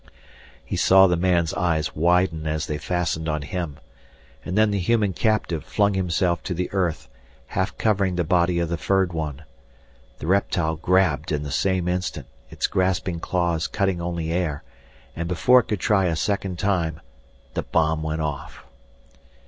He saw the man's eyes widen as they fastened on him. And then the human captive flung himself to the earth, half covering the body of the furred one. The reptile grabbed in the same instant, its grasping claws cutting only air, and before it could try a second time the bomb went off.